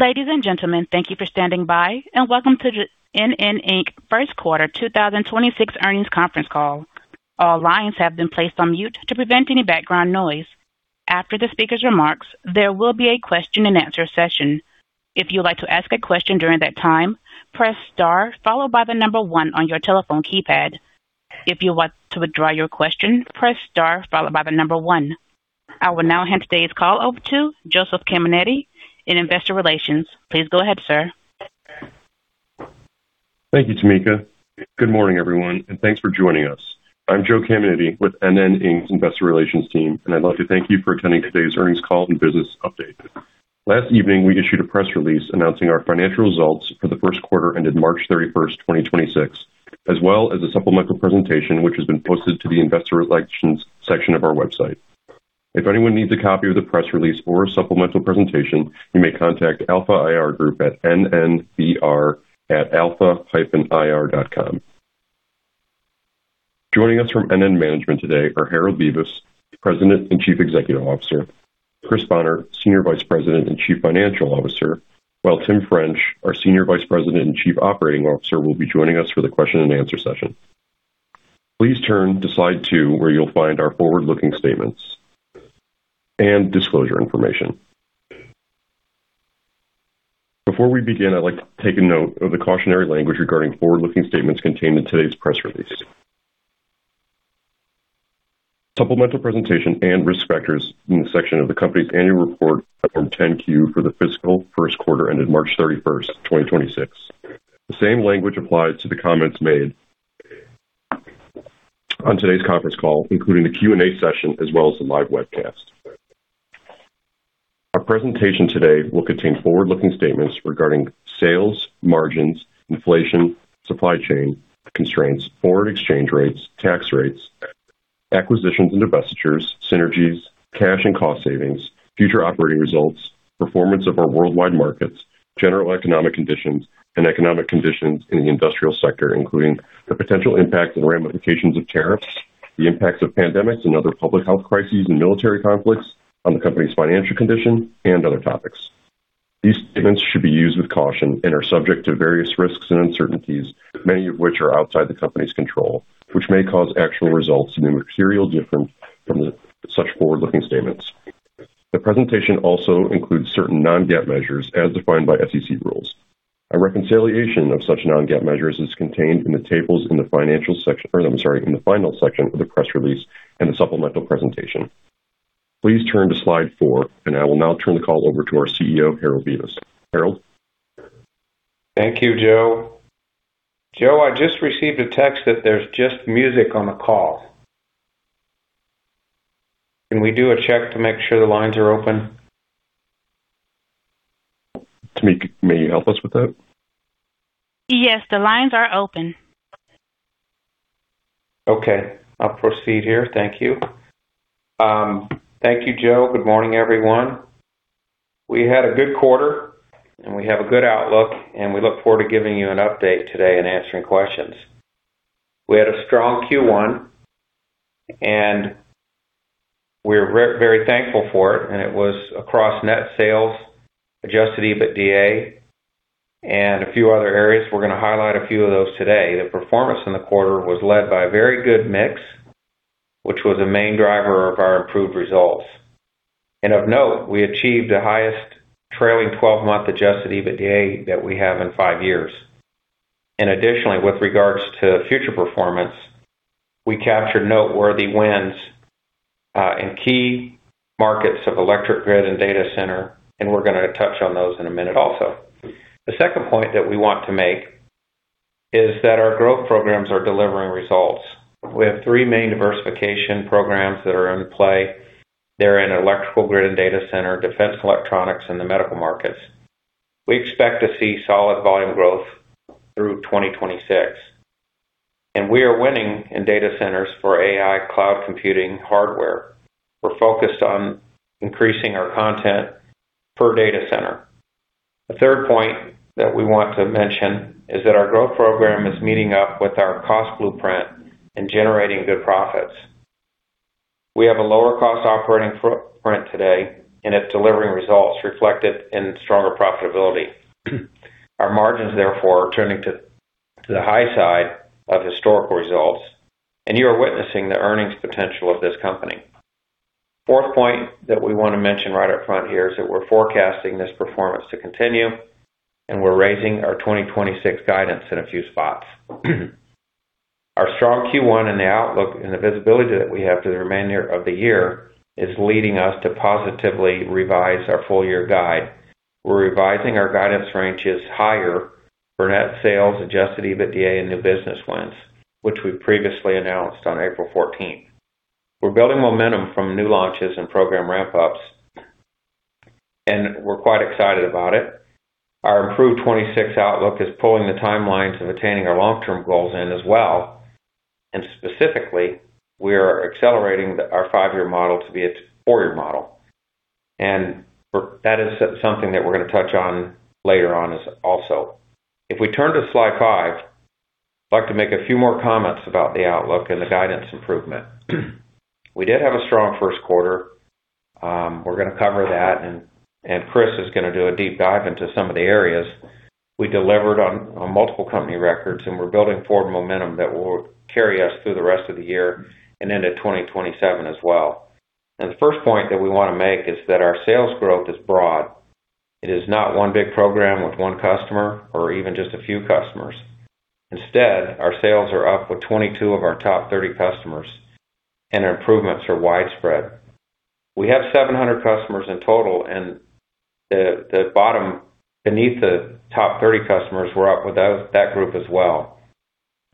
Ladies and gentlemen, thank you for standing by, and welcome to the NN, Inc first quarter 2026 earnings conference call. All lines have been placed on mute to prevent any background noise. After the speaker's remarks, there will be a question-and-answer session. If you would like to ask a question during that time, press star followed by the number one on your telephone keypad. If you want to withdraw your question, press star followed by the number one. I will now hand today's call over to Joseph Caminiti in Investor Relations. Please go ahead, sir. Thank you, Tamika. Good morning, everyone, and thanks for joining us. I'm Joe Caminiti with NN, Inc's Investor Relations team, and I'd love to thank you for attending today's earnings call and business update. Last evening, we issued a press release announcing our financial results for the first quarter ended March 31st, 2026, as well as a supplemental presentation, which has been posted to the Investor Relations section of our website. If anyone needs a copy of the press release or a supplemental presentation, you may contact Alpha IR Group at nnbr@alpha-ir.com. Joining us from NN management today are Harold Bevis, President and Chief Executive Officer, Chris Bohnert, Senior Vice President and Chief Financial Officer, while Tim French, our Senior Vice President and Chief Operating Officer, will be joining us for the question-and-answer session. Please turn to slide two, where you'll find our forward-looking statements and disclosure information. Before we begin, I'd like to take a note of the cautionary language regarding forward-looking statements contained in today's press release. Supplemental presentation and risk factors in the section of the company's annual report on 10-Q for the fiscal first quarter ended March 31st, 2026. The same language applies to the comments made on today's conference call, including the Q&A session, as well as the live webcast. Our presentation today will contain forward-looking statements regarding sales, margins, inflation, supply chain constraints, foreign exchange rates, tax rates, acquisitions and divestitures, synergies, cash and cost savings, future operating results, performance of our worldwide markets, general economic conditions, and economic conditions in the industrial sector, including the potential impact and ramifications of tariffs, the impacts of pandemics and other public health crises and military conflicts on the company's financial condition, and other topics. These statements should be used with caution and are subject to various risks and uncertainties, many of which are outside the company's control, which may cause actual results to be materially different from the such forward-looking statements. The presentation also includes certain non-GAAP measures as defined by SEC rules. A reconciliation of such non-GAAP measures is contained in the tables in the financial section, in the final section of the press release and the supplemental presentation. Please turn to slide four. I will now turn the call over to our CEO, Harold Bevis. Harold? Thank you, Joe. Joe, I just received a text that there's just music on the call. Can we do a check to make sure the lines are open? Tamika, may you help us with that? Yes, the lines are open. Okay. I'll proceed here. Thank you. Thank you, Joe. Good morning, everyone. We had a good quarter, and we have a good outlook, and we look forward to giving you an update today and answering questions. We had a strong Q1. We're very thankful for it. It was across net sales, adjusted EBITDA, and a few other areas. We're gonna highlight a few of those today. The performance in the quarter was led by a very good mix, which was a main driver of our improved results. Of note, we achieved the highest trailing 12-month adjusted EBITDA that we have in five years. Additionally, with regards to future performance, we captured noteworthy wins in key markets of electric grid and data center. We're gonna touch on those in a minute also. The second point that we want to make is that our growth programs are delivering results. We have three main diversification programs that are in play. They're in electrical grid and data center, defense electronics, and the medical markets. We expect to see solid volume growth through 2026. We are winning in data centers for AI cloud computing hardware. We're focused on increasing our content per data center. The third point that we want to mention is that our growth program is meeting up with our cost blueprint and generating good profits. We have a lower cost operating footprint today. It's delivering results reflected in stronger profitability. Our margins, therefore, are turning to the high side of historical results. You are witnessing the earnings potential of this company. Fourth point that we wanna mention right up front here is that we're forecasting this performance to continue, and we're raising our 2026 guidance in a few spots. Our strong Q1 and the outlook and the visibility that we have for the remainder of the year is leading us to positively revise our full year guide. We're revising our guidance ranges higher for net sales, adjusted EBITDA, and new business wins, which we previously announced on April 14th. We're building momentum from new launches and program ramp-ups, and we're quite excited about it. Our improved 2026 outlook is pulling the timelines of attaining our long-term goals in as well, and specifically, we are accelerating our five-year model to be a four-year model. That is something that we're gonna touch on later on as also. If we turn to slide five, I'd like to make a few more comments about the outlook and the guidance improvement. We did have a strong first quarter. We're gonna cover that, and Chris is gonna do a deep dive into some of the areas. We delivered on multiple company records, and we're building forward momentum that will carry us through the rest of the year and into 2027 as well. The first point that we wanna make is that our sales growth is broad. It is not one big program with one customer or even just a few customers. Instead, our sales are up with 22 of our top 30 customers, and improvements are widespread. We have 700 customers in total, and the bottom beneath the top 30 customers, we're up with that group as well.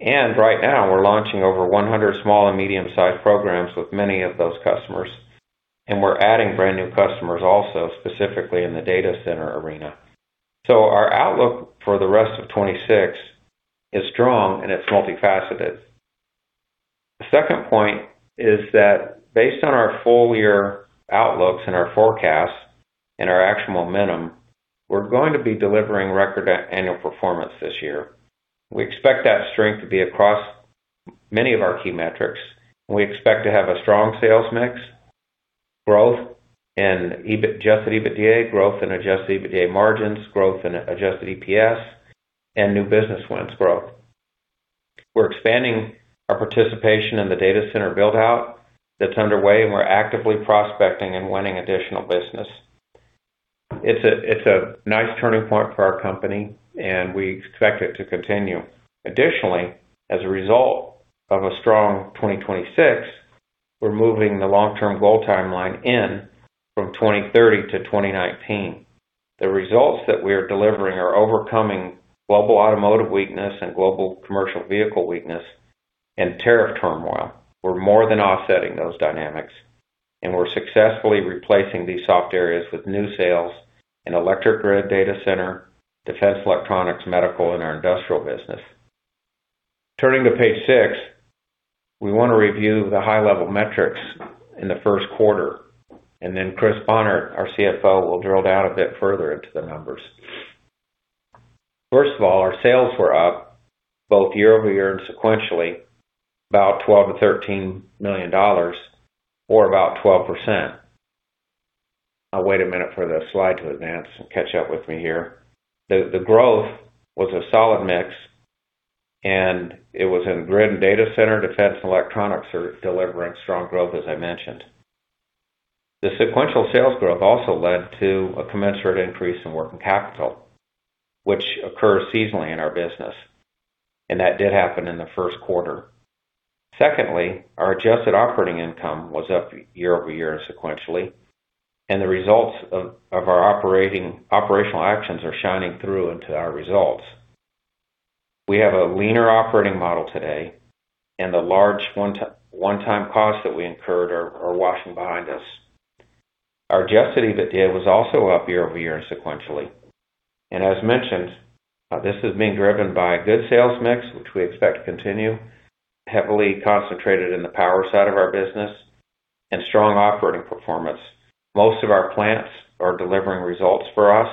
Right now, we're launching over 100 small and medium-sized programs with many of those customers, and we're adding brand new customers also, specifically in the data center arena. Our outlook for the rest of 2026 is strong, and it's multifaceted. The second point is that based on our full year outlooks and our forecast and our actual momentum, we're going to be delivering record annual performance this year. We expect that strength to be across many of our key metrics. We expect to have a strong sales mix, growth, adjusted EBITDA growth and adjusted EBITDA margins, growth in adjusted EPS, and new business wins growth. We're expanding our participation in the data center build-out that's underway, and we're actively prospecting and winning additional business. It's a nice turning point for our company, and we expect it to continue. Additionally, as a result of a strong 2026, we're moving the long-term goal timeline in from 2030 to 2029. The results that we are delivering are overcoming global automotive weakness and global commercial vehicle weakness and tariff turmoil. We're more than offsetting those dynamics, we're successfully replacing these soft areas with new sales in electric grid, data center, defense electronics, medical, and our industrial business. Turning to page six, we wanna review the high-level metrics in the first quarter, then Chris Bohnert, our CFO, will drill down a bit further into the numbers. First of all, our sales were up both year-over-year and sequentially, about $12 million-$13 million or about 12%. I'll wait a minute for the slide to advance and catch up with me here. The growth was a solid mix, and it was in grid and data center, defense and electronics are delivering strong growth, as I mentioned. The sequential sales growth also led to a commensurate increase in working capital, which occurs seasonally in our business, and that did happen in the first quarter. Secondly, our adjusted operating income was up year-over-year and sequentially, and the results of our operational actions are shining through into our results. We have a leaner operating model today, and the large one time costs that we incurred are washing behind us. Our adjusted EBITDA was also up year-over-year and sequentially. As mentioned, this is being driven by a good sales mix, which we expect to continue, heavily concentrated in the power side of our business and strong operating performance. Most of our plants are delivering results for us.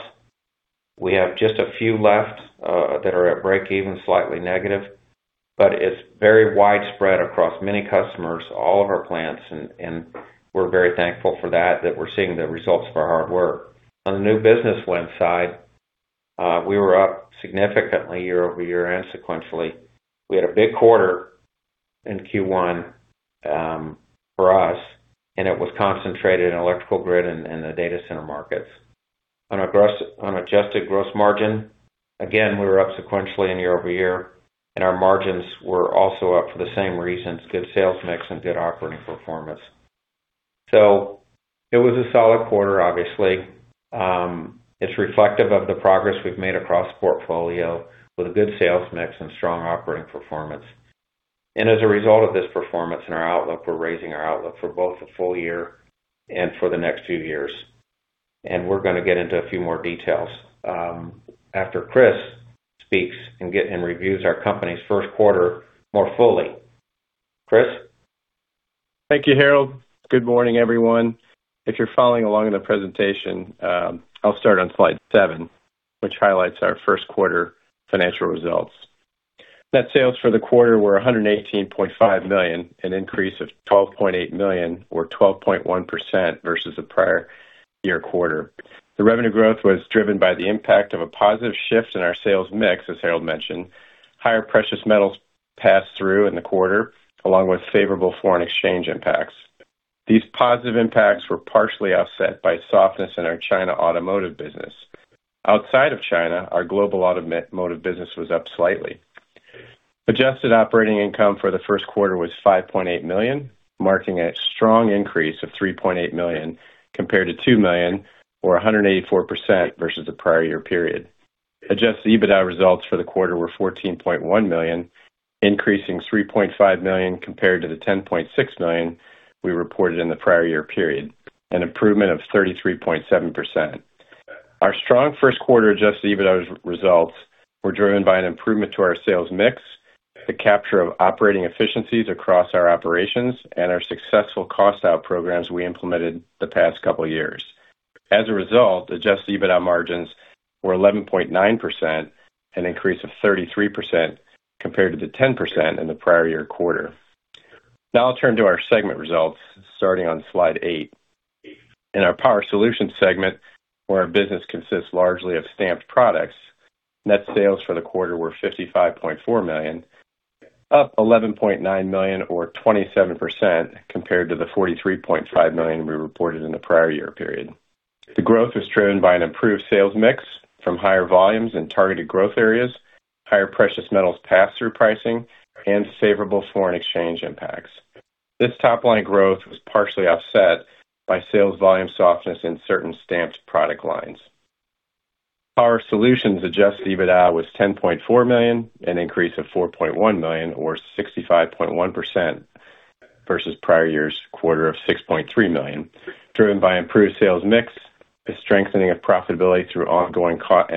We have just a few left that are at break even, slightly negative, but it's very widespread across many customers, all of our plants, and we're very thankful for that we're seeing the results of our hard work. On the new business win side, we were up significantly year-over-year and sequentially. We had a big quarter in Q1 for us, and it was concentrated in electrical grid and the data center markets. On adjusted gross margin, again, we were up sequentially and year-over-year, and our margins were also up for the same reasons, good sales mix and good operating performance. It was a solid quarter, obviously. It's reflective of the progress we've made across the portfolio with a good sales mix and strong operating performance. As a result of this performance and our outlook, we're raising our outlook for both the full year and for the next few years. We're gonna get into a few more details after Chris speaks and reviews our company's first quarter more fully. Chris? Thank you, Harold. Good morning, everyone. If you're following along in the presentation, I'll start on slide seven, which highlights our first quarter financial results. Net sales for the quarter were $118.5 million, an increase of $12.8 million or 12.1% versus the prior year quarter. The revenue growth was driven by the impact of a positive shift in our sales mix, as Harold mentioned. Higher precious metals passed through in the quarter, along with favorable foreign exchange impacts. These positive impacts were partially offset by softness in our China automotive business. Outside of China, our global automotive business was up slightly. Adjusted operating income for the first quarter was $5.8 million, marking a strong increase of $3.8 million compared to $2 million or 184% versus the prior year period. Adjusted EBITDA results for the quarter were $14.1 million, increasing $3.5 million compared to the $10.6 million we reported in the prior year period, an improvement of 33.7%. Our strong first quarter adjusted EBITDA results were driven by an improvement to our sales mix, the capture of operating efficiencies across our operations, and our successful cost-out programs we implemented the past couple years. As a result, adjusted EBITDA margins were 11.9%, an increase of 33% compared to the 10% in the prior year quarter. I'll turn to our segment results starting on slide eight. In our Power Solutions segment, where our business consists largely of stamped products, net sales for the quarter were $55.4 million, up $11.9 million or 27% compared to the $43.5 million we reported in the prior year period. The growth was driven by an improved sales mix from higher volumes in targeted growth areas, higher precious metals pass-through pricing, and favorable foreign exchange impacts. This top-line growth was partially offset by sales volume softness in certain stamped product lines. Power Solutions adjusted EBITDA was $10.4 million, an increase of $4.1 million or 65.1% versus prior year's quarter of $6.3 million, driven by improved sales mix, the strengthening of profitability through ongoing cost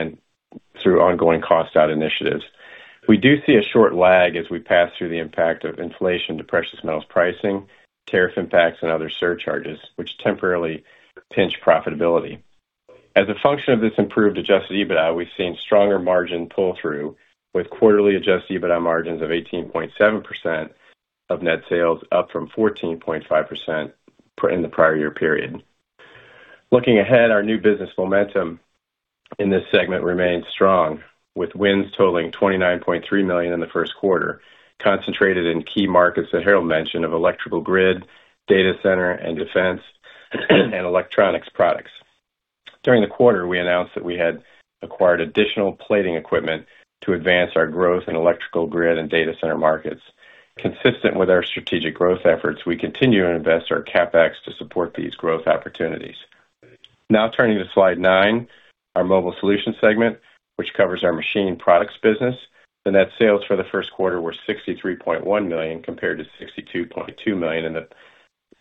out initiatives. We do see a short lag as we pass through the impact of inflation to precious metals pricing, tariff impacts, and other surcharges, which temporarily pinch profitability. As a function of this improved adjusted EBITDA, we've seen stronger margin pull-through with quarterly adjusted EBITDA margins of 18.7% of net sales, up from 14.5% in the prior year period. Looking ahead, our new business momentum in this segment remains strong, with wins totaling $29.3 million in the first quarter, concentrated in key markets that Harold mentioned of electrical grid, data center and defense, and electronics products. During the quarter, we announced that we had acquired additional plating equipment to advance our growth in electrical grid and data center markets. Consistent with our strategic growth efforts, we continue to invest our CapEx to support these growth opportunities. Turning to slide nine, our Mobile Solutions segment, which covers our machined products business. The net sales for the first quarter were $63.1 million compared to $62.2 million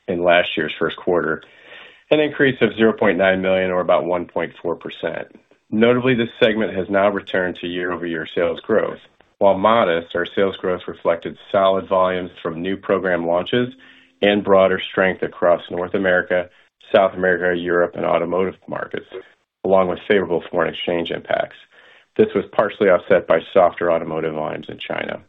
in last year's first quarter, an increase of $0.9 million or about 1.4%. Notably, this segment has now returned to year-over-year sales growth. While modest, our sales growth reflected solid volumes from new program launches and broader strength across North America, South America, Europe, and automotive markets, along with favorable foreign exchange impacts. This was partially offset by softer automotive volumes in China.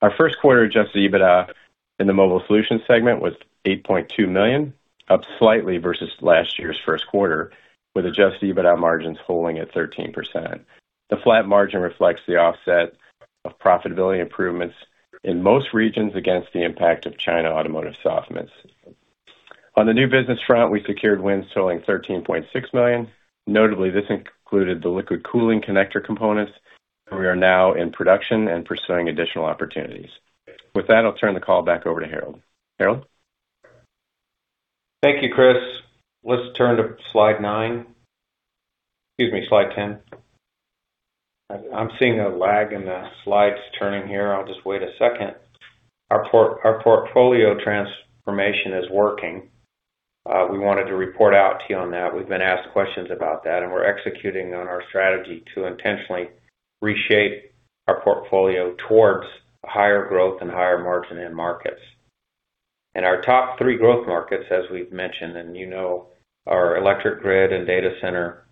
Our first quarter adjusted EBITDA in the Mobile Solutions segment was $8.2 million, up slightly versus last year's first quarter, with adjusted EBITDA margins falling at 13%. The flat margin reflects the offset of profitability improvements in most regions against the impact of China automotive softness. On the new business front, we secured wins totaling $13.6 million. Notably, this included the liquid cooling connector components, and we are now in production and pursuing additional opportunities. With that, I'll turn the call back over to Harold. Harold? Thank you, Chris. Let's turn to slide nine. Excuse me, slide 10. I'm seeing a lag in the slides turning here. I'll just wait a second. Our portfolio transformation is working. We wanted to report out to you on that. We've been asked questions about that. We're executing on our strategy to intentionally reshape our portfolio towards higher growth and higher margin end markets. Our top three growth markets, as we've mentioned, and you know, are electric grid and data center,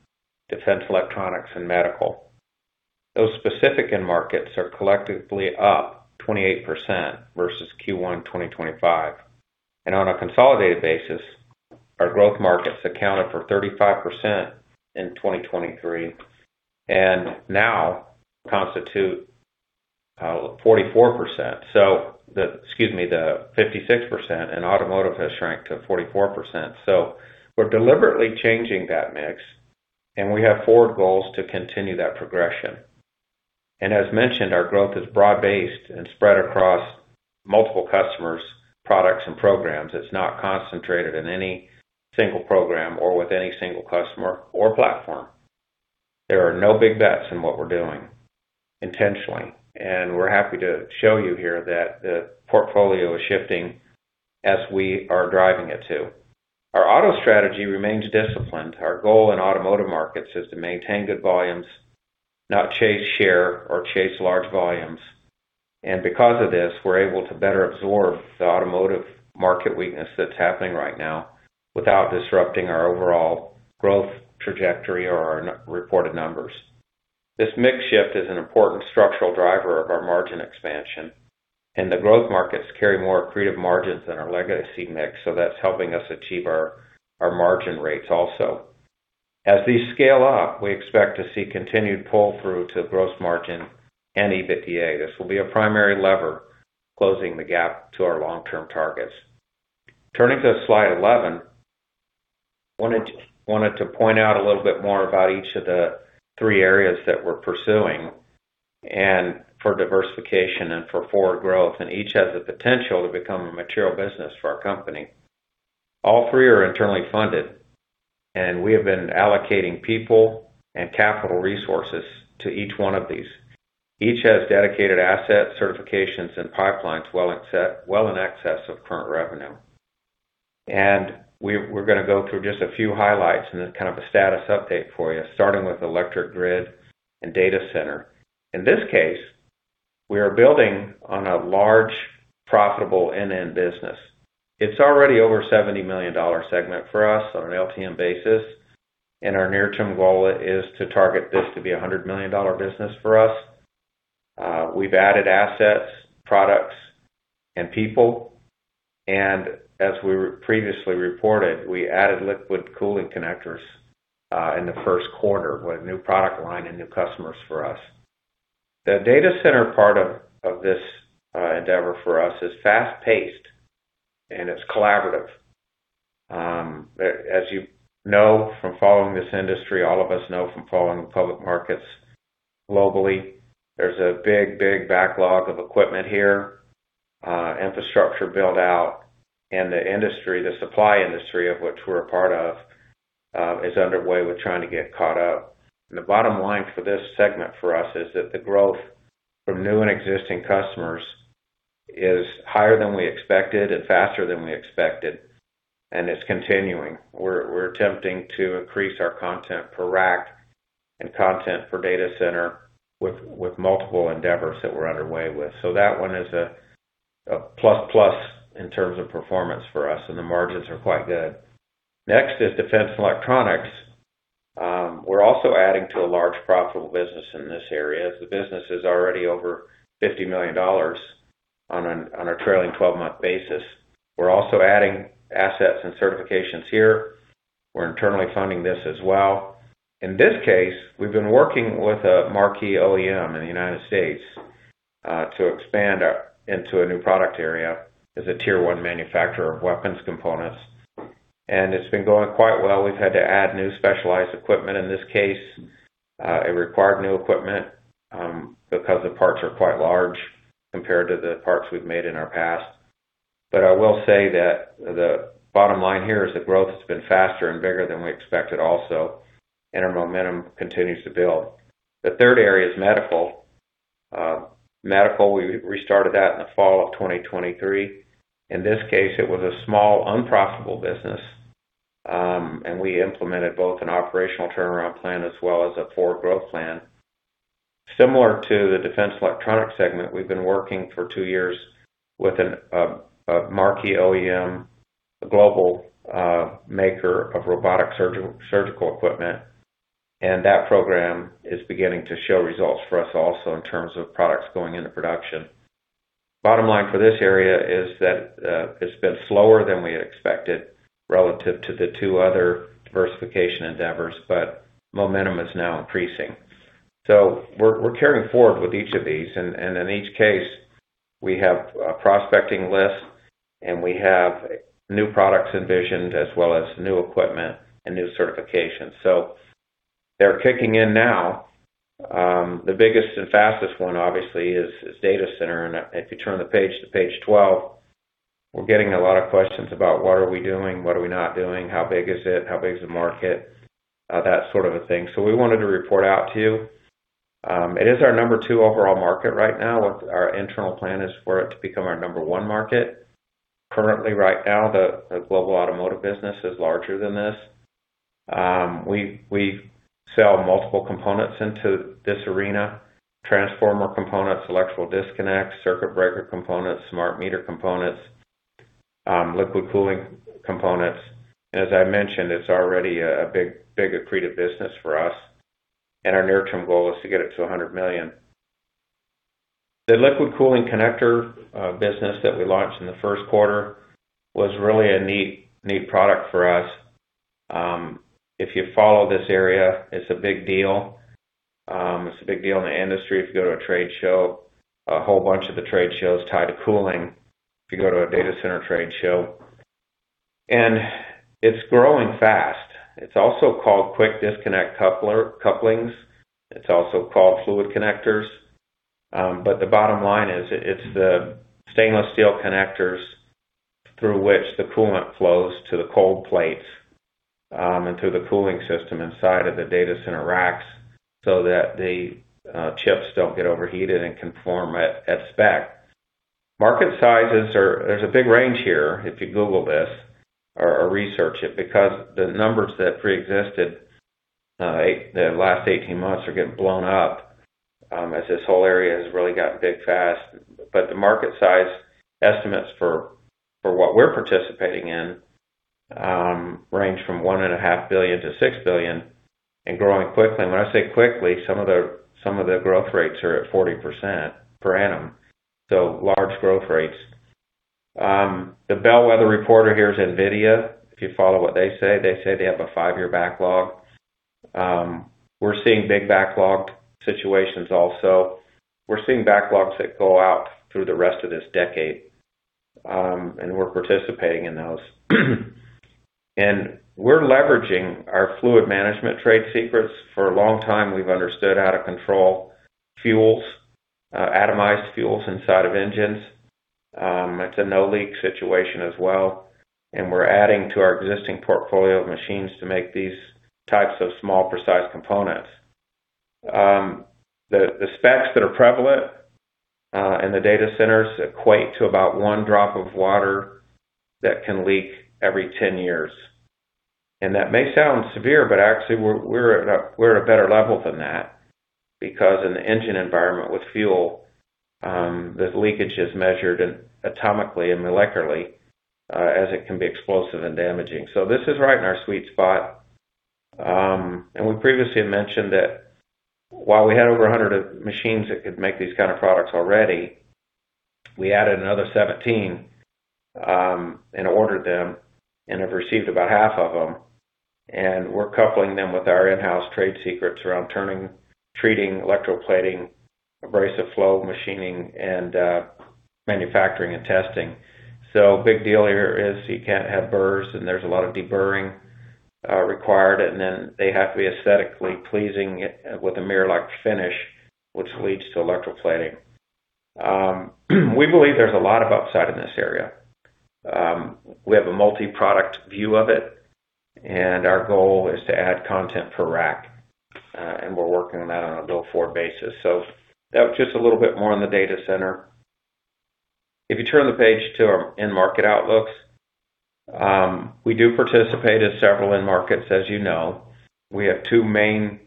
defense electronics and medical. Those specific end markets are collectively up 28% versus Q1 2025. On a consolidated basis, our growth markets accounted for 35% in 2023. Now constitute 44%. The, excuse me, the 56% in automotive has shrank to 44%. We're deliberately changing that mix, and we have forward goals to continue that progression. As mentioned, our growth is broad-based and spread across multiple customers, products, and programs. It's not concentrated in any single program or with any single customer or platform. There are no big bets in what we're doing intentionally, and we're happy to show you here that the portfolio is shifting as we are driving it to. Our auto strategy remains disciplined. Our goal in automotive markets is to maintain good volumes, not chase share or chase large volumes. Because of this, we're able to better absorb the automotive market weakness that's happening right now without disrupting our overall growth trajectory or our reported numbers. This mix shift is an important structural driver of our margin expansion. The growth markets carry more accretive margins than our legacy mix, that's helping us achieve our margin rates also. As these scale up, we expect to see continued pull-through to gross margin and EBITDA. This will be a primary lever closing the gap to our long-term targets. Turning to slide 11, wanted to point out a little bit more about each of the three areas that we're pursuing. For diversification and for forward growth, each has the potential to become a material business for our company. All three are internally funded. We have been allocating people and capital resources to each one of these. Each has dedicated assets, certifications, and pipelines well in excess of current revenue. We're going to go through just a few highlights and then kind of a status update for you, starting with electric grid and data center. We are building on a large, profitable end-to-end business. It's already over $70 million segment for us on an LTM basis. Our near-term goal is to target this to be a $100 million business for us. We've added assets, products, and people. As we previously reported, we added liquid cooling connectors in the first quarter with new product line and new customers for us. The data center part of this endeavor for us is fast-paced and it's collaborative. As you know from following this industry, all of us know from following the public markets globally, there's a big, big backlog of equipment here, infrastructure build-out, the industry, the supply industry of which we're a part of, is underway with trying to get caught up. The bottom line for this segment for us is that the growth from new and existing customers is higher than we expected and faster than we expected, and it's continuing. We're attempting to increase our content per rack and content per data center with multiple endeavors that we're underway with. That one is a plus plus in terms of performance for us, and the margins are quite good. Next is defense electronics. We're also adding to a large profitable business in this area. The business is already over $50 million on a trailing 12-month basis. We're also adding assets and certifications here. We're internally funding this as well. In this case, we've been working with a marquee OEM in the United States to expand into a new product area as a tier 1 manufacturer of weapons components. It's been going quite well. We've had to add new specialized equipment in this case. It required new equipment because the parts are quite large compared to the parts we've made in our past. I will say that the bottom line here is the growth has been faster and bigger than we expected also, and our momentum continues to build. The third area is medical. Medical, we restarted that in the fall of 2023. In this case, it was a small, unprofitable business, and we implemented both an operational turnaround plan as well as a forward growth plan. Similar to the defense electronics segment, we've been working for two years with a marquee OEM, a global maker of robotic surgical equipment, and that program is beginning to show results for us also in terms of products going into production. Bottom line for this area is that it's been slower than we had expected relative to the two other diversification endeavors, but momentum is now increasing. We're carrying forward with each of these, and in each case, we have a prospecting list, and we have new products envisioned as well as new equipment and new certifications. They're kicking in now. The biggest and fastest one, obviously, is data center. If you turn the page to page 12, we're getting a lot of questions about what are we doing, what are we not doing, how big is it, how big is the market, that sort of a thing. We wanted to report out to you. It is our number two overall market right now. Our internal plan is for it to become our number one market. Currently, right now, the global automotive business is larger than this. We sell multiple components into this arena, transformer components, electrical disconnects, circuit breaker components, smart meter components, liquid cooling components. As I mentioned, it's already a big accretive business for us, and our near-term goal is to get it to $100 million. The liquid cooling connector business that we launched in the 1st quarter was really a neat product for us. If you follow this area, it's a big deal. It's a big deal in the industry if you go to a trade show, a whole bunch of the trade shows tied to cooling if you go to a data center trade show. It's growing fast. It's also called quick disconnect couplings. It's also called fluid connectors. The bottom line is it's the stainless steel connectors through which the coolant flows to the cold plates and through the cooling system inside of the data center racks so that the chips don't get overheated and can form at spec. Market sizes are, there's a big range here if you Google this or research it because the numbers that pre-existed the last 18 months are getting blown up as this whole area has really gotten big fast. The market size estimates for what we're participating in range from $1.5 billion-$6 billion and growing quickly. When I say quickly, some of the growth rates are at 40% per annum. Large growth rates. The bellwether reporter here is NVIDIA. If you follow what they say, they say they have a five-year backlog. We're seeing big backlog situations also. We're seeing backlogs that go out through the rest of this decade, and we're participating in those. We're leveraging our fluid management trade secrets. For a long time, we've understood how to control fuels, atomized fuels inside of engines. It's a no-leak situation as well. We're adding to our existing portfolio of machines to make these types of small, precise components. The specs that are prevalent in the data centers equate to about one drop of water that can leak every 10 years. That may sound severe, but actually we're at a better level than that because in the engine environment with fuel, the leakage is measured atomically and molecularly, as it can be explosive and damaging. This is right in our sweet spot. We previously mentioned that while we had over 100 machines that could make these kind of products already, we added another 17 and ordered them and have received about half of them. We're coupling them with our in-house trade secrets around turning, treating, electroplating, abrasive flow machining, and manufacturing, and testing. Big deal here is you can't have burrs, and there's a lot of deburring required, and then they have to be aesthetically pleasing with a mirror-like finish, which leads to electroplating. We believe there's a lot of upside in this area. We have a multi-product view of it, and our goal is to add content per rack, and we're working on that on a bill of materials basis. That was just a little bit more on the data center. If you turn the page to our end market outlooks, we do participate in several end markets, as you know. We have two main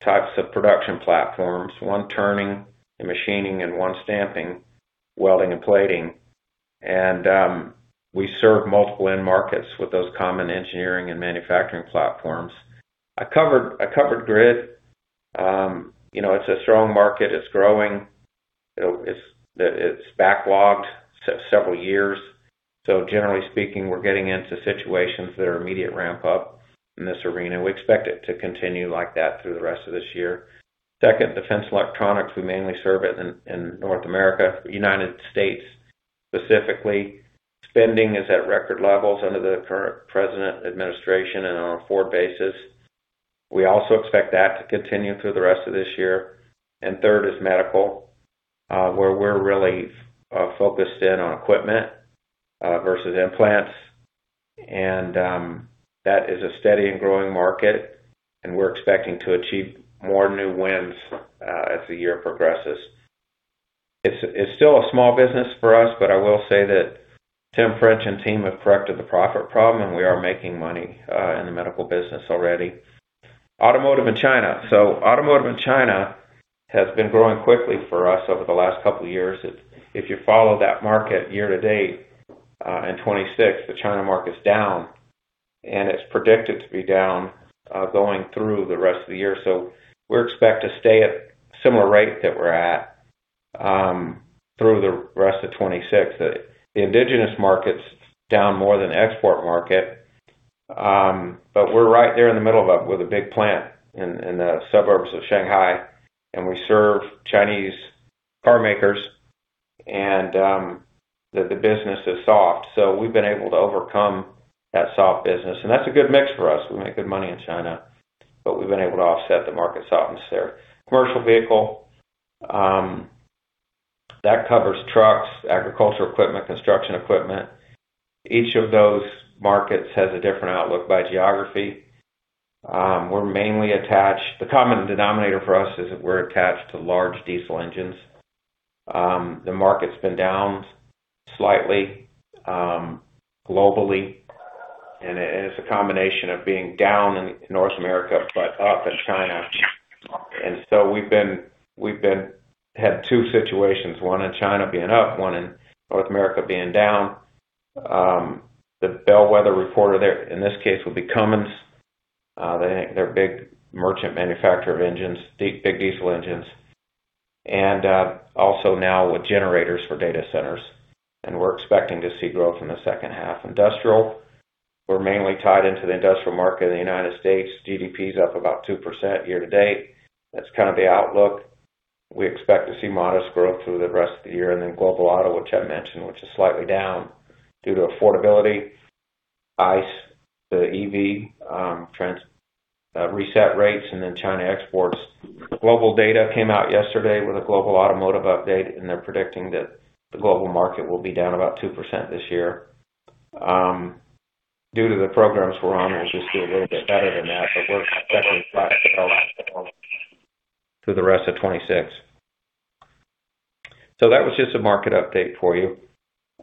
types of production platforms, one turning and machining and one stamping, welding, and plating. We serve multiple end markets with those common engineering and manufacturing platforms. I covered grid. You know, it's a strong market. It's growing. It's backlogged several years. Generally speaking, we're getting into situations that are immediate ramp up in this arena. We expect it to continue like that through the rest of this year. Second, defense electronics, we mainly serve it in North America, United States specifically. Spending is at record levels under the current president administration and on a forward basis. We also expect that to continue through the rest of this year. Third is medical, where we're really focused in on equipment versus implants. That is a steady and growing market, and we're expecting to achieve more new wins as the year progresses. It's still a small business for us, but I will say that Tim French and team have corrected the profit problem, and we are making money in the medical business already. Automotive in China. Automotive in China has been growing quickly for us over the last couple of years. If you follow that market year-to-date, in 2026, the China market is down, and it's predicted to be down going through the rest of the year. We expect to stay at similar rate that we're at through the rest of 2026. The indigenous market's down more than export market, but we're right there in the middle of it with a big plant in the suburbs of Shanghai, and we serve Chinese car makers and the business is soft. We've been able to overcome that soft business. That's a good mix for us. We make good money in China, but we've been able to offset the market softness there. Commercial vehicle, that covers trucks, agriculture equipment, construction equipment. Each of those markets has a different outlook by geography. The common denominator for us is that we're attached to large diesel engines. The market's been down slightly, globally, and it's a combination of being down in North America, but up in China. We've been had two situations, one in China being up, one in North America being down. The bellwether reporter there in this case would be Cummins. They're a big merchant manufacturer of engines, big diesel engines, and also now with generators for data centers. We're expecting to see growth in the second half. Industrial, we're mainly tied into the industrial market in the United States. GDP is up about 2% year to date. That's kind of the outlook. We expect to see modest growth through the rest of the year. Global auto, which I mentioned, which is slightly down due to affordability, ICE to EV reset rates, and China exports. GlobalData came out yesterday with a global automotive update, they're predicting that the global market will be down about 2% this year. Due to the programs we're on, we'll just do a little bit better than that, we're expecting flat to low through the rest of 2026. That was just a market update for you.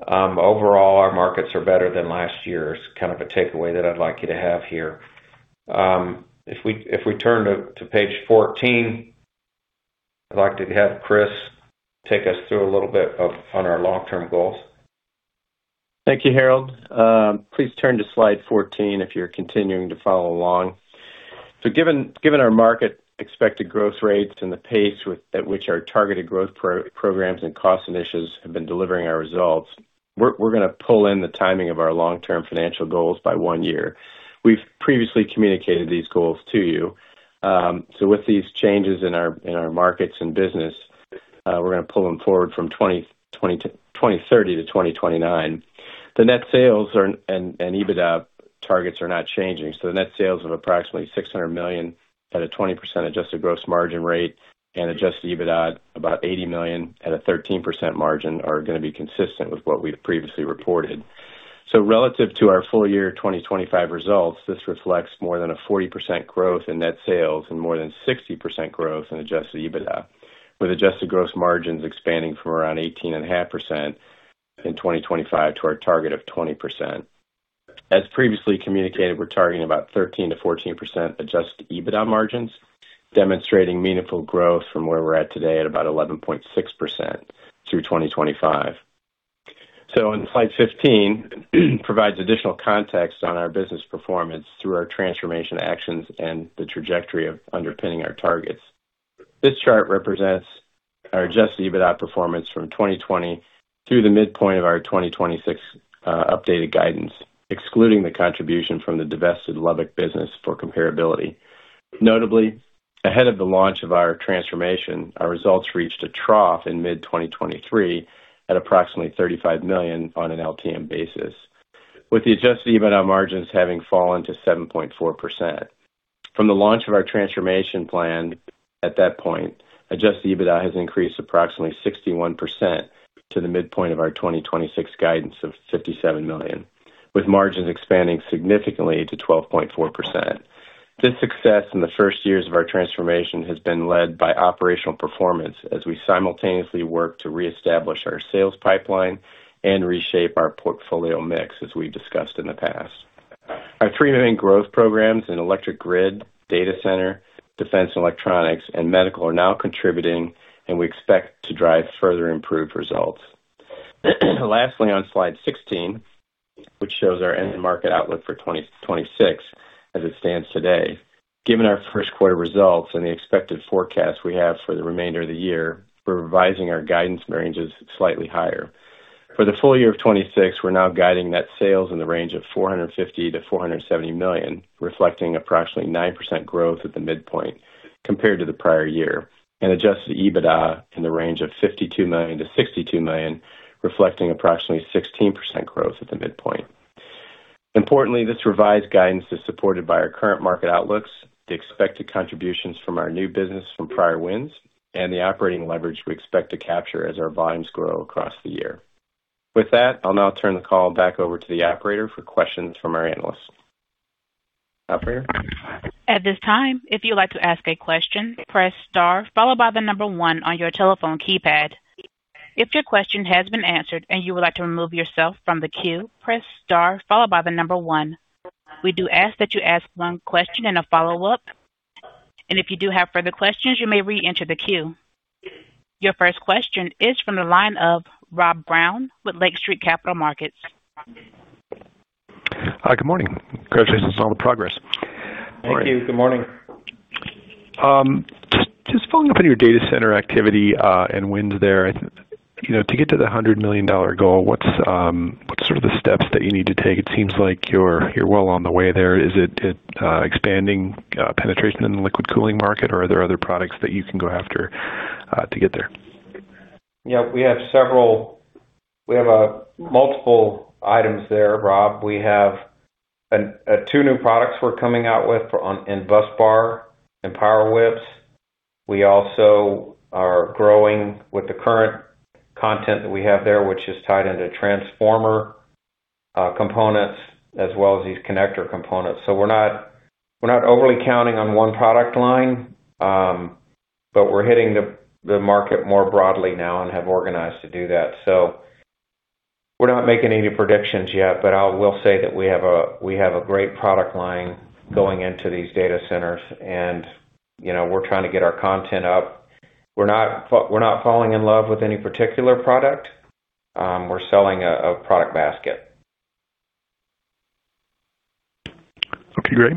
Overall, our markets are better than last year is kind of a takeaway that I'd like you to have here. If we turn to page 14, I'd like to have Chris take us through a little bit of on our long-term goals. Thank you, Harold. Please turn to slide 14 if you're continuing to follow along. Given our market expected growth rates and the pace at which our targeted growth programs and cost initiatives have been delivering our results, we're gonna pull in the timing of our long-term financial goals by one year. We've previously communicated these goals to you. With these changes in our markets and business, we're gonna pull them forward from 2030 to 2029. The net sales and EBITDA targets are not changing. The net sales of approximately $600 million at a 20% adjusted gross margin rate and adjusted EBITDA about $80 million at a 13% margin are gonna be consistent with what we've previously reported. Relative to our full year 2025 results, this reflects more than a 40% growth in net sales and more than 60% growth in adjusted EBITDA. With adjusted gross margins expanding from around 18.5% in 2025 to our target of 20%. As previously communicated, we're targeting about 13%-14% adjusted EBITDA margins, demonstrating meaningful growth from where we're at today at about 11.6% through 2025. On slide 15 provides additional context on our business performance through our transformation actions and the trajectory of underpinning our targets. This chart represents our adjusted EBITDA performance from 2020 through the midpoint of our 2026 updated guidance, excluding the contribution from the divested Lubbock business for comparability. Notably, ahead of the launch of our transformation, our results reached a trough in mid-2023 at approximately $35 million on an LTM basis, with the adjusted EBITDA margins having fallen to 7.4%. From the launch of our transformation plan at that point, adjusted EBITDA has increased approximately 61% to the midpoint of our 2026 guidance of $57 million, with margins expanding significantly to 12.4%. This success in the first years of our transformation has been led by operational performance as we simultaneously work to reestablish our sales pipeline and reshape our portfolio mix, as we discussed in the past. Our three main growth programs in Electric Grid, Data Center, Defense and Electronics, and Medical are now contributing, and we expect to drive further improved results. Lastly, on slide 16, which shows our end market outlook for 2026 as it stands today. Given our first quarter results and the expected forecast we have for the remainder of the year, we're revising our guidance ranges slightly higher. For the full year of 2026, we're now guiding net sales in the range of $450 million-$470 million, reflecting approximately 9% growth at the midpoint compared to the prior year, and adjusted EBITDA in the range of $52 million-$62 million, reflecting approximately 16% growth at the midpoint. Importantly, this revised guidance is supported by our current market outlooks, the expected contributions from our new business from prior wins, and the operating leverage we expect to capture as our volumes grow across the year. With that, I'll now turn the call back over to the operator for questions from our analysts. Operator? At this time, if you'd like to ask a question, press star followed by number one on your telephone keypad. If your question has been answered and you would like to remove yourself from the queue, press star followed by number one. We do ask that you ask one question and a follow-up. If you do have further questions, you may reenter the queue. Your first question is from the line of Rob Brown with Lake Street Capital Markets. Hi, good morning. Congratulations on the progress. Thank you. Good morning. Just following up on your data center activity, and wins there. You know, to get to the $100 million goal, what's sort of the steps that you need to take? It seems like you're well on the way there. Is it expanding penetration in the liquid cooling market, or are there other products that you can go after to get there? We have multiple items there, Rob. We have two new products we're coming out with in busbar and power whips. We also are growing with the current content that we have there, which is tied into transformer components as well as these connector components. We're not overly counting on one product line, but we're hitting the market more broadly now and have organized to do that. We're not making any predictions yet, but I will say that we have a great product line going into these data centers and, you know, we're trying to get our content up. We're not falling in love with any particular product. We're selling a product basket. Okay, great.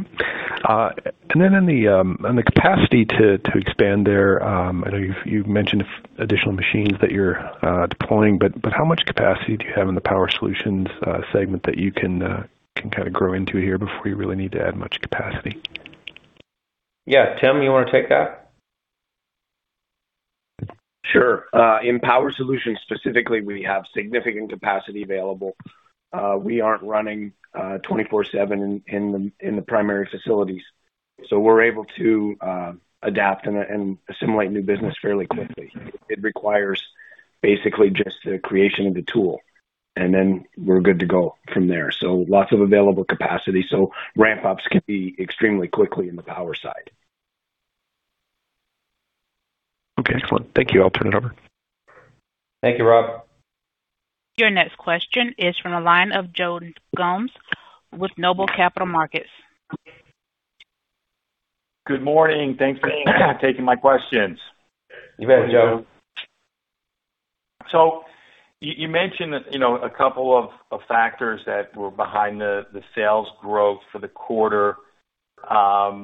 Then in the capacity to expand there, I know you've mentioned additional machines that you're deploying, but how much capacity do you have in the Power Solutions segment that you can kind of grow into here before you really need to add much capacity? Yeah. Tim, you wanna take that? Sure. In Power Solutions specifically, we have significant capacity available. We aren't running 24/7 in the primary facilities, so we're able to adapt and assimilate new business fairly quickly. It requires basically just the creation of the tool, and then we're good to go from there. Lots of available capacity. Ramp-ups can be extremely quickly in the power side. Okay, excellent. Thank you. I'll turn it over. Thank you, Rob. Your next question is from the line of Joe Gomes with Noble Capital Markets. Good morning. Thanks for taking my questions. You bet, Joe. You mentioned, you know, a couple of factors that were behind the sales growth for the quarter,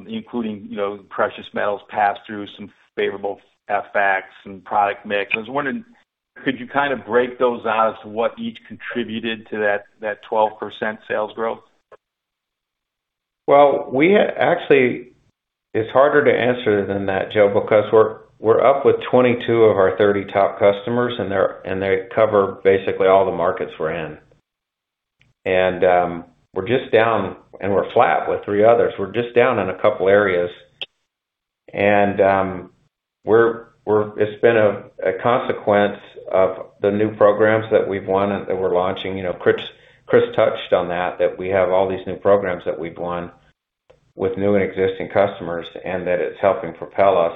including, you know, precious metals pass-through, some favorable FX and product mix. I was wondering, could you kind of break those out as to what each contributed to that 12% sales growth? Well, actually it's harder to answer than that, Joe, because we're up with 22 of our 30 top customers, and they cover basically all the markets we're in. We're just down, and we're flat with three others. It's been a consequence of the new programs that we've won and that we're launching. You know, Chris touched on that we have all these new programs that we've won. With new and existing customers, that it's helping propel us.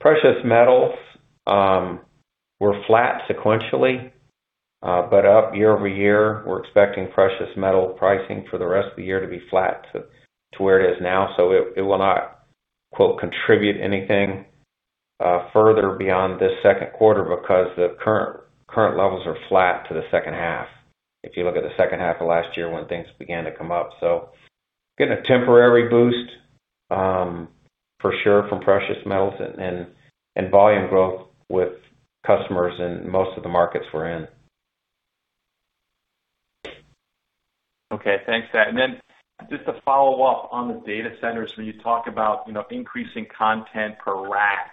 Precious metals were flat sequentially, up year-over-year. We're expecting precious metal pricing for the rest of the year to be flat to where it is now, it will not quote, contribute anything further beyond this second quarter because the current levels are flat to the second half. If you look at the second half of last year when things began to come up. Getting a temporary boost for sure from precious metals and volume growth with customers in most of the markets we're in. Okay. Thanks for that. Then just to follow up on the data centers, when you talk about, you know, increasing content per rack,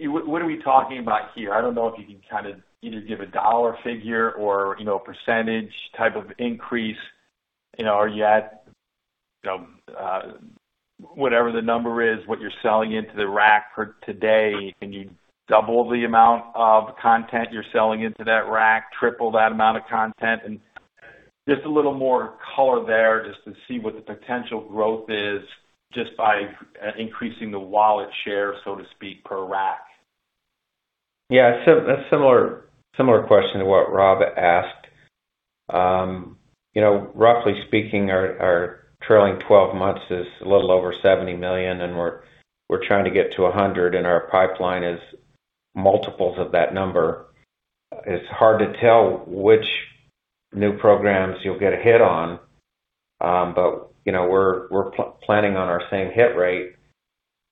what are we talking about here? I don't know if you can kind of either give a dollar figure or, you know, a percentage type of increase, you know, are you at, you know, whatever the number is, what you're selling into the rack for today, can you double the amount of content you're selling into that rack, triple that amount of content? Just a little more color there just to see what the potential growth is just by increasing the wallet share, so to speak, per rack. That's similar question to what Rob asked. You know, roughly speaking our trailing 12 months is a little over $70 million, we're trying to get to $100 million, and our pipeline is multiples of that number. It's hard to tell which new programs you'll get a hit on, you know, we're planning on our same hit rate.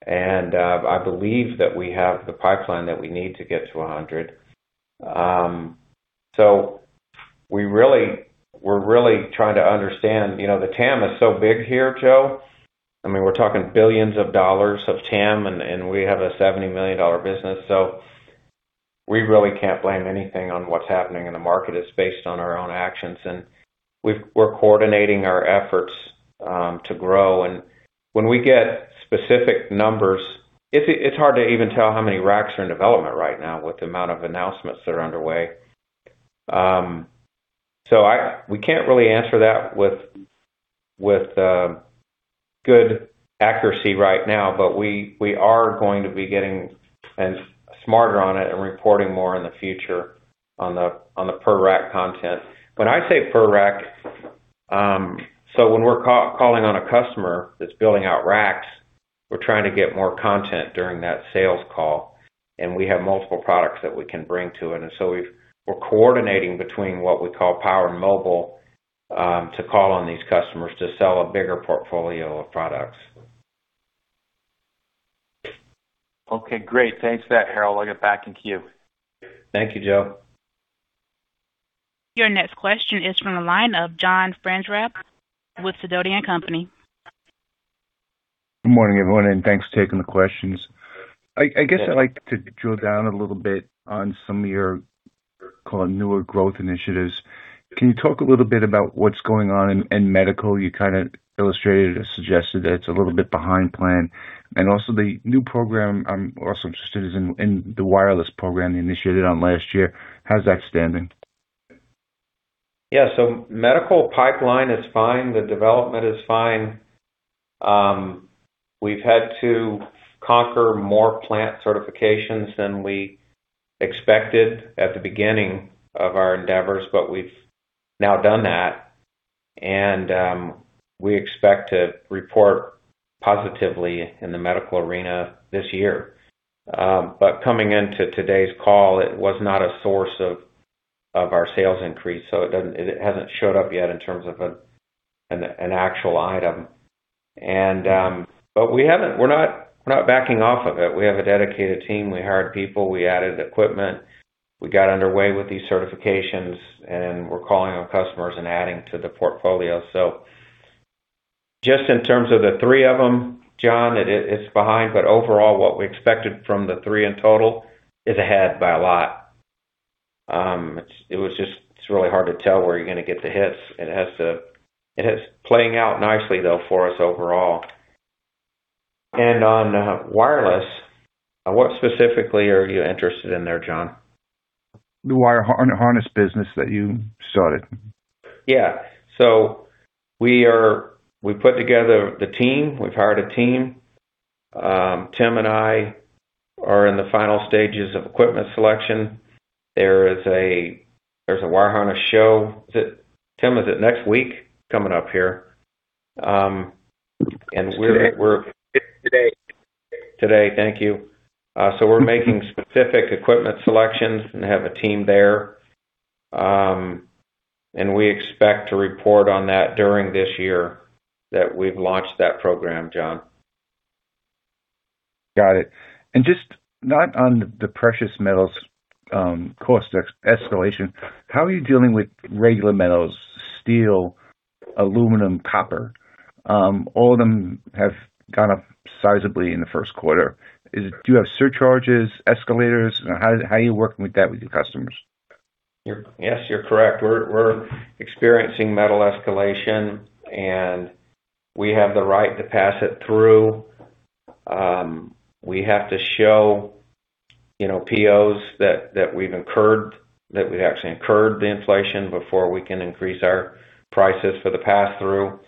I believe that we have the pipeline that we need to get to $100 million. We're really trying to understand, you know, the TAM is so big here, Joe. I mean, we're talking billions of dollars of TAM and we have a $70 million business. We really can't blame anything on what's happening in the market. It's based on our own actions, we're coordinating our efforts to grow. When we get specific numbers, it's hard to even tell how many racks are in development right now with the amount of announcements that are underway. So we can't really answer that with good accuracy right now, but we are going to be getting smarter on it and reporting more in the future on the per rack content. When I say per rack, so when we're calling on a customer that's building out racks, we're trying to get more content during that sales call, and we have multiple products that we can bring to it. We're coordinating between what we call Power Mobile to call on these customers to sell a bigger portfolio of products. Okay. Great. Thanks for that, Harold. I'll get back in queue. Thank you, Joe. Your next question is from the line of John Franzreb with Sidoti & Company. Good morning, everyone, and thanks for taking the questions. I guess I'd like to drill down a little bit on some of your call newer growth initiatives. Can you talk a little bit about what's going on in medical? You kind of illustrated or suggested that it's a little bit behind plan. Also the new program I'm also interested in the wireless program you initiated on last year. How's that standing? Yeah. Medical pipeline is fine. The development is fine. We've had to conquer more plant certifications than we expected at the beginning of our endeavors, but we've now done that. We expect to report positively in the medical arena this year. Coming into today's call, it was not a source of our sales increase, so it hasn't showed up yet in terms of an actual item. We're not backing off of it. We have a dedicated team. We hired people. We added equipment. We got underway with these certifications, and we're calling on customers and adding to the portfolio. Just in terms of the three of them, John, it's behind, but overall, what we expected from the three in total is ahead by a lot. It's really hard to tell where you're gonna get the hits. It is playing out nicely though for us overall. On wireless, what specifically are you interested in there, John? The wire harness business that you started. Yeah. We put together the team. We've hired a team. Tim and I are in the final stages of equipment selection. There's a wire harness show. Tim, is it next week coming up here? It's today. Today. Thank you. We're making specific equipment selections and have a team there. We expect to report on that during this year that we've launched that program, John. Got it. Just not on the precious metals, cost escalation, how are you dealing with regular metals, steel, aluminum, copper? All of them have gone up sizably in the first quarter. Do you have surcharges, escalators? How are you working with that with your customers? Yes, you're correct. We're experiencing metal escalation, and we have the right to pass it through. We have to show, you know, POs that we've incurred, that we've actually incurred the inflation before we can increase our prices for the pass-through.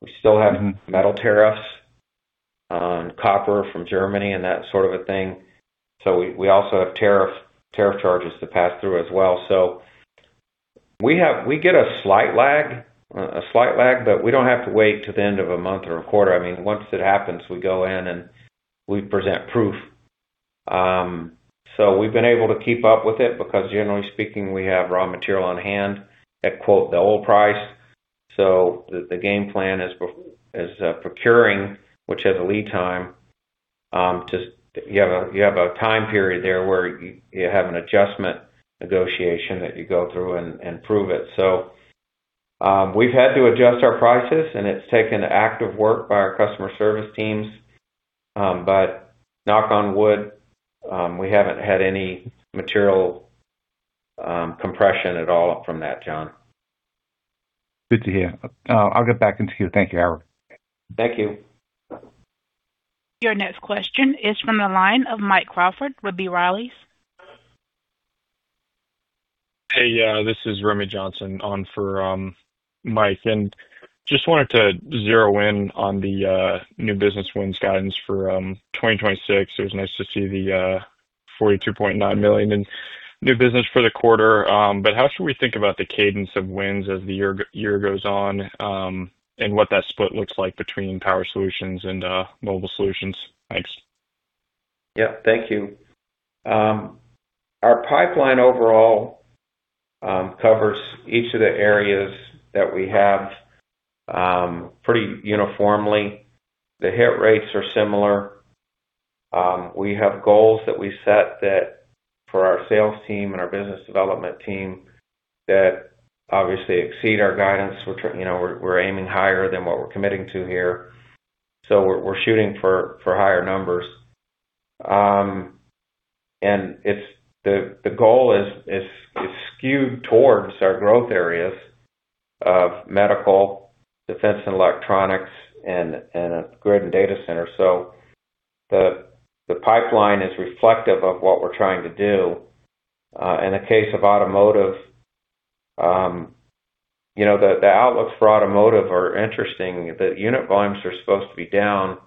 We still have metal tariffs on copper from Germany and that sort of a thing. We also have tariff charges to pass through as well. We get a slight lag, but we don't have to wait till the end of a month or a quarter. I mean, once it happens, we go in and we present proof. We've been able to keep up with it because generally speaking, we have raw material on hand at quote the old price. The game plan is procuring, which has a lead time. You have a time period there where you have an adjustment negotiation that you go through and prove it. We've had to adjust our prices, and it's taken active work by our customer service teams. Knock on wood, we haven't had any material compression at all from that, John. Good to hear. I'll get back into queue. Thank you, Harold. Thank you. Your next question is from the line of Mike Crawford with B. Riley. Hey, this is Remy Johnson on for Mike. Just wanted to zero in on the new business wins guidance for 2026. It was nice to see the $42.9 million in new business for the quarter. How should we think about the cadence of wins as the year goes on, and what that split looks like between Power Solutions and Mobile Solutions? Thanks. Yeah. Thank you. Our pipeline overall covers each of the areas that we have pretty uniformly. The hit rates are similar. We have goals that we set that for our sales team and our business development team that obviously exceed our guidance. You know, we're aiming higher than what we're committing to here. We're shooting for higher numbers. The goal is skewed towards our growth areas of medical, defense and electronics and grid and data center. The pipeline is reflective of what we're trying to do. In the case of automotive, you know, the outlooks for automotive are interesting. The unit volumes are supposed to be down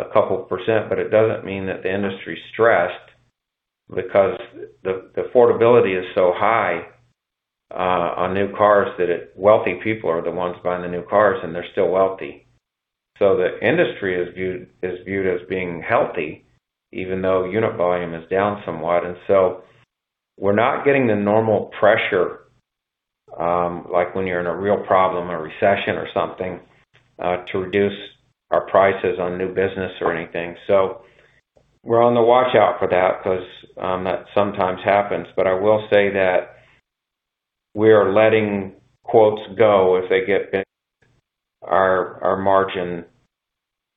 2%, it doesn't mean that the industry's stressed because the affordability is so high on new cars that wealthy people are the ones buying the new cars, and they're still wealthy. The industry is viewed as being healthy even though unit volume is down somewhat. We're not getting the normal pressure like when you're in a real problem or recession or something to reduce our prices on new business or anything. We're on the watch out for that because that sometimes happens. I will say that we are letting quotes go if they get thin our margin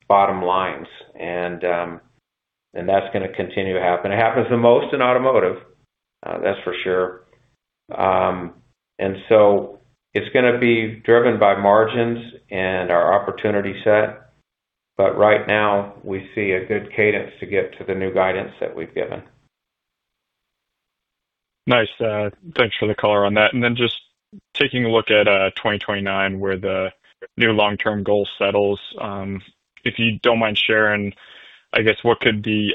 bottom lines, and that's gonna continue to happen. It happens the most in automotive, that's for sure. It's going to be driven by margins and our opportunity set, but right now we see a good cadence to get to the new guidance that we've given. Nice. Thanks for the color on that. Then just taking a look at 2029, where the new long-term goal settles, if you don't mind sharing, I guess, what could the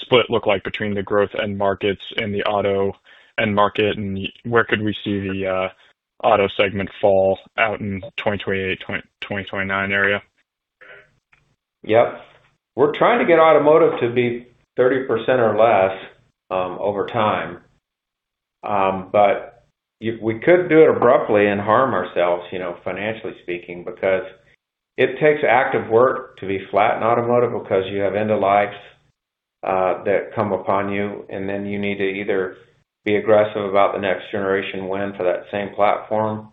split look like between the growth end markets and the auto end market, where could we see the auto segment fall out in 2028, 2029 area? Yep. We're trying to get automotive to be 30% or less over time. We could do it abruptly and harm ourselves, you know, financially speaking, because it takes active work to be flat in automotive because you have end of lives that come upon you, and then you need to either be aggressive about the next generation win for that same platform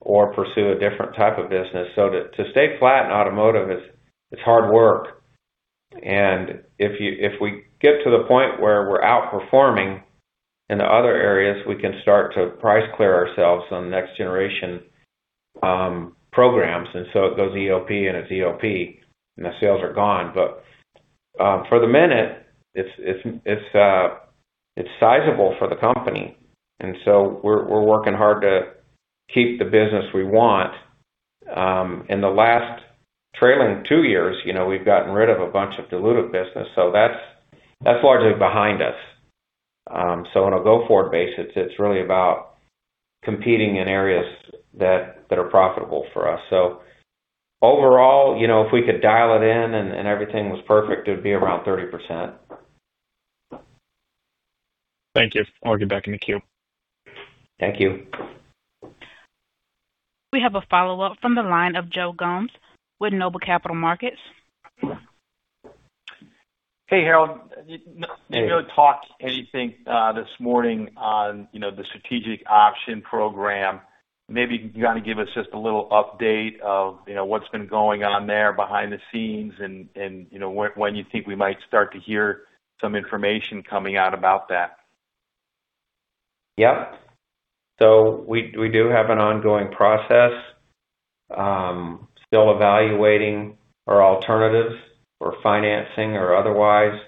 or pursue a different type of business. To stay flat in automotive is, it's hard work. If we get to the point where we're outperforming in the other areas, we can start to price clear ourselves on next generation programs. It goes EOP, and it's EOP, and the sales are gone. For the minute, it's sizable for the company. We're working hard to keep the business we want. In the last trailing two years, you know, we've gotten rid of a bunch of dilutive business, so that's largely behind us. On a go-forward basis, it's really about competing in areas that are profitable for us. Overall, you know, if we could dial it in and everything was perfect, it would be around 30%. Thank you. I'll get back in the queue. Thank you. We have a follow-up from the line of Joe Gomes with Noble Capital Markets. Hey, Harold. Hey. You had talked anything, this morning on, you know, the strategic option program. Maybe you kind of give us just a little update of, you know, what's been going on there behind the scenes and, you know, when you think we might start to hear some information coming out about that? Yep. We do have an ongoing process, still evaluating our alternatives for financing or otherwise.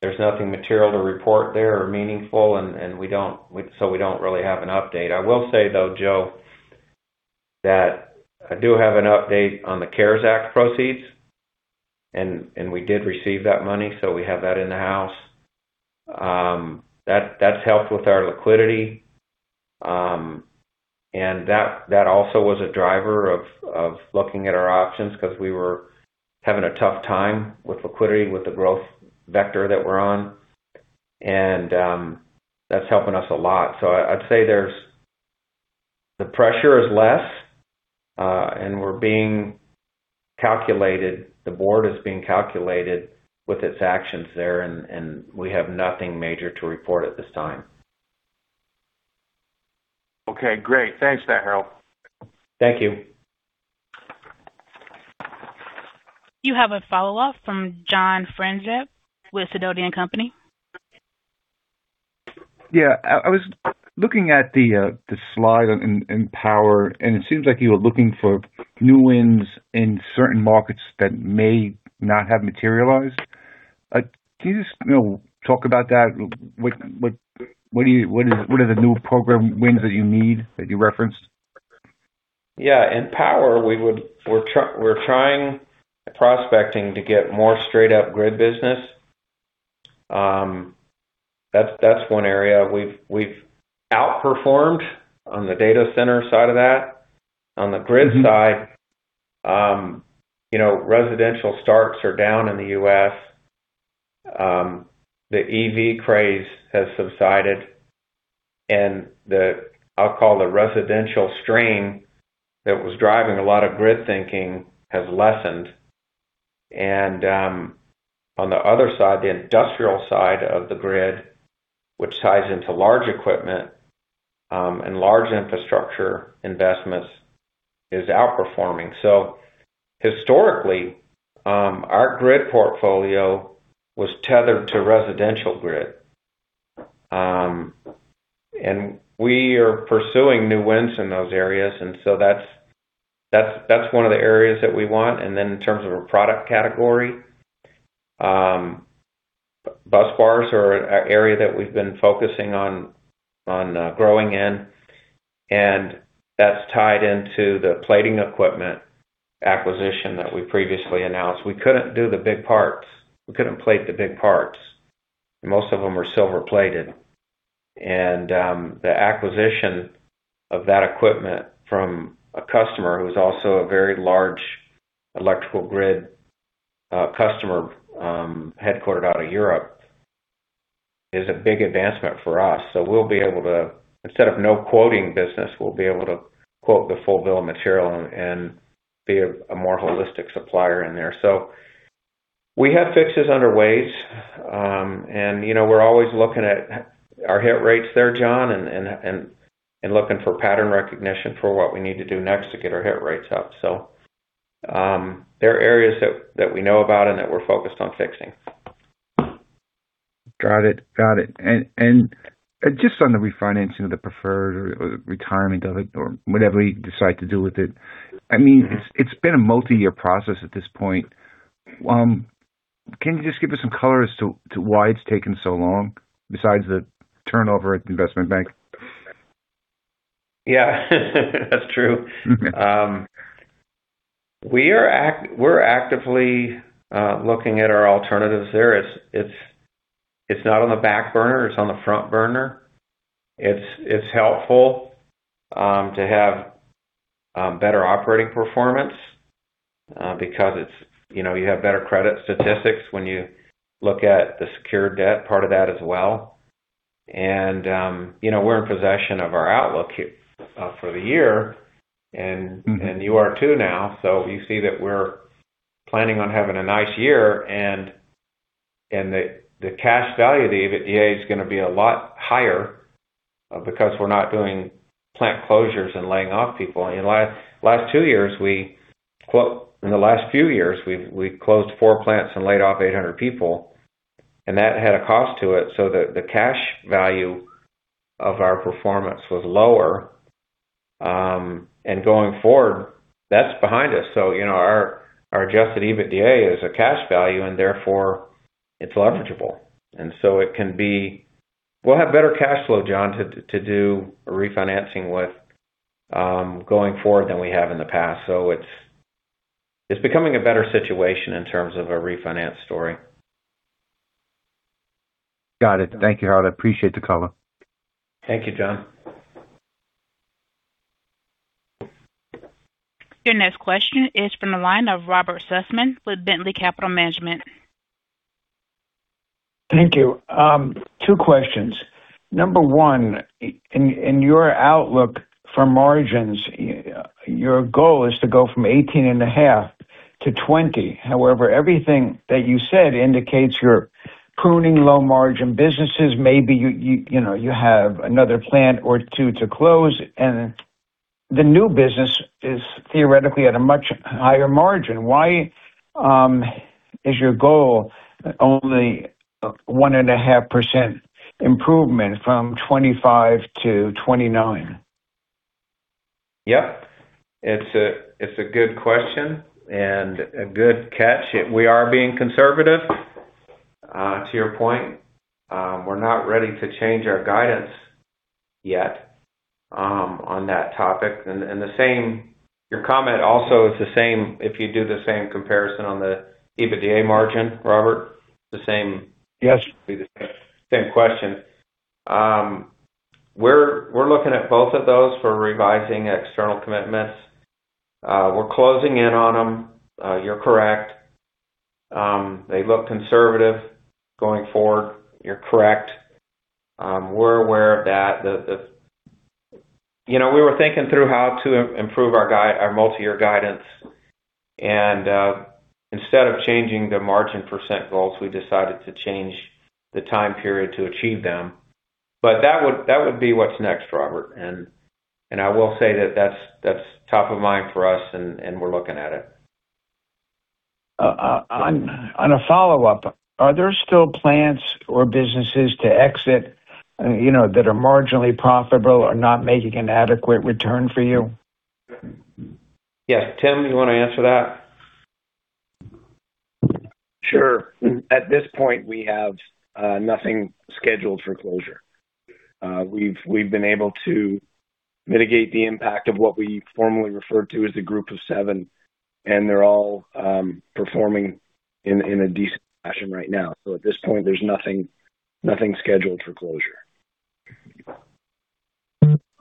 There's nothing material to report there or meaningful, and we don't really have an update. I will say, though, Joe, that I do have an update on the CARES Act proceeds, and we did receive that money, so we have that in the house. That's helped with our liquidity. That also was a driver of looking at our options because we were having a tough time with liquidity, with the growth vector that we're on. That's helping us a lot. I'd say there's The pressure is less, and we're being calculated. The board is being calculated with its actions there, and we have nothing major to report at this time. Okay, great. Thanks for that, Harold. Thank you. You have a follow-up from John Franzreb with Sidoti & Company. Yeah. I was looking at the slide in Power. It seems like you were looking for new wins in certain markets that may not have materialized. Can you just, you know, talk about that? What are the new program wins that you need that you referenced? In power, we're trying prospecting to get more straight up grid business. That's one area we've outperformed on the data center side of that. On the grid side, you know, residential starts are down in the U.S. The EV craze has subsided, the, I'll call it, residential stream that was driving a lot of grid thinking has lessened. On the other side, the industrial side of the grid, which ties into large equipment, and large infrastructure investments, is outperforming. Historically, our grid portfolio was tethered to residential grid. We are pursuing new wins in those areas, that's one of the areas that we want. Then in terms of a product category, busbars are an area that we've been focusing on growing in, that's tied into the plating equipment acquisition that we previously announced. We couldn't do the big parts. We couldn't plate the big parts. Most of them were silver-plated. The acquisition of that equipment from a customer who's also a very large electrical grid customer, headquartered out of Europe, is a big advancement for us. We'll be able to, instead of no quoting business, we'll be able to quote the full bill of material and be a more holistic supplier in there. We have fixes underways. You know, we're always looking at our hit rates there, John, and looking for pattern recognition for what we need to do next to get our hit rates up. There are areas that we know about and that we're focused on fixing. Got it. Just on the refinancing of the preferred or retirement of it or whatever you decide to do with it, I mean, it's been a multi-year process at this point. Can you just give us some color as to why it's taken so long besides the turnover at the investment bank? Yeah. That's true. We're actively looking at our alternatives there. It's, it's not on the back burner, it's on the front burner. It's, it's helpful to have better operating performance because it's, you know, you have better credit statistics when you look at the secured debt part of that as well. You know, we're in possession of our outlook here for the year. You are too now. You see that we're planning on having a nice year, and the cash value of the EBITDA is going to be a lot higher because we're not doing plant closures and laying off people. In the last few years, we've closed four plants and laid off 800 people, and that had a cost to it so that the cash value of our performance was lower. Going forward, that's behind us. You know, our adjusted EBITDA is a cash value, and therefore it's leverageable. We'll have better cash flow, John, to do a refinancing with going forward than we have in the past. It's becoming a better situation in terms of a refinance story. Got it. Thank you, Harold. I appreciate the color. Thank you, John. Your next question is from the line of Robert Sussman with Bentley Capital Management. Thank you. Two questions. Number one, in your outlook for margins, your goal is to go from 18.5% to 20%. However, everything that you said indicates you're pruning low-margin businesses. Maybe you know, you have another plant or two to close. The new business is theoretically at a much higher margin. Why is your goal only 1.5% improvement from 2025 to 2029? Yep. It's a good question and a good catch. We are being conservative, to your point. We're not ready to change our guidance yet, on that topic. Your comment also is the same if you do the same comparison on the EBITDA margin, Robert. Yes. Be the same question. We're looking at both of those for revising external commitments. We're closing in on them. You're correct. They look conservative going forward. You're correct. We're aware of that. You know, we were thinking through how to improve our multi-year guidance and instead of changing the margin percent goals, we decided to change the time period to achieve them. That would be what's next, Robert. I will say that that's top of mind for us and we're looking at it. On a follow-up, are there still plants or businesses to exit, you know, that are marginally profitable or not making an adequate return for you? Yeah. Tim, you wanna answer that? Sure. At this point, we have nothing scheduled for closure. We've been able to mitigate the impact of what we formally refer to as the Group of Seven, and they're all performing in a decent fashion right now. At this point, there's nothing scheduled for closure.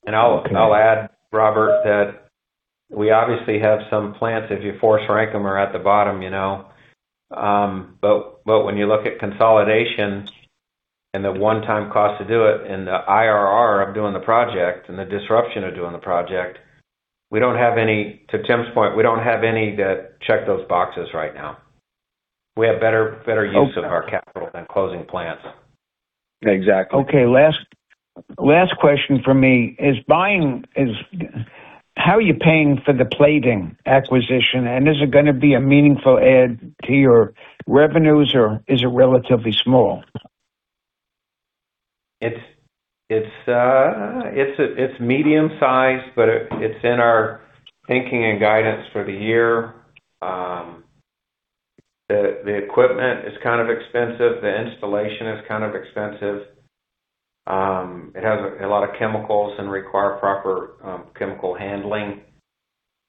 I'll add, Robert, that we obviously have some plants, if you force rank them, are at the bottom, you know. When you look at consolidation and the one-time cost to do it and the IRR of doing the project and the disruption of doing the project, we don't have any. To Tim's point, we don't have any that check those boxes right now. We have better use of our capital than closing plants. Exactly. Okay. Last question from me. How are you paying for the plating acquisition? Is it going to be a meaningful add to your revenues or is it relatively small? It's medium-sized, but it's in our thinking and guidance for the year. The equipment is kind of expensive. The installation is kind of expensive. It has a lot of chemicals and require proper chemical handling.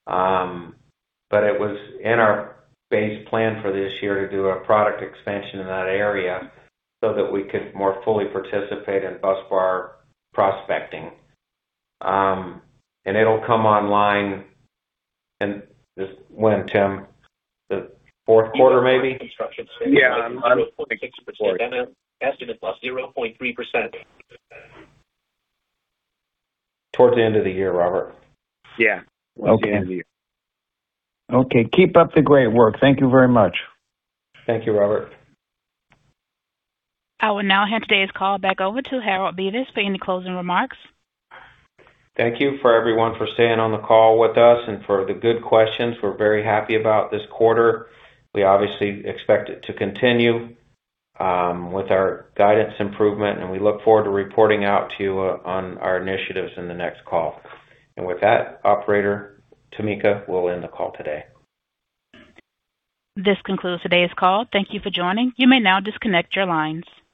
But it was in our base plan for this year to do a product expansion in that area so that we could more fully participate in busbar prospecting. And it'll come online and When, Tim? The fourth quarter, maybe? Yeah. Construction spend increased 0.6%. NN estimates +0.3%. Towards the end of the year, Robert. Yeah. Okay. Towards the end of the year. Okay. Keep up the great work. Thank you very much. Thank you, Robert. I will now hand today's call back over to Harold Bevis for any closing remarks. Thank you for everyone for staying on the call with us and for the good questions. We're very happy about this quarter. We obviously expect it to continue with our guidance improvement. We look forward to reporting out to you on our initiatives in the next call. With that, operator Tamika, we'll end the call today. This concludes today's call. Thank you for joining. You may now disconnect your lines.